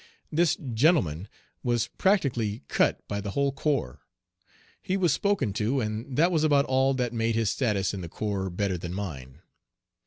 This gentleman (?) was practically "cut" by the whole corps. He was spoken to, and that was about all that made his status in the corps better than mine.